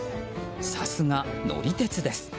さすが乗り鉄です。